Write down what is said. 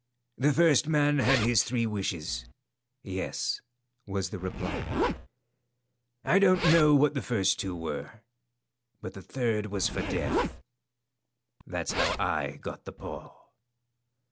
"The first man had his three wishes. Yes," was the reply; "I don't know what the first two were, but the third was for death. That's how I got the paw."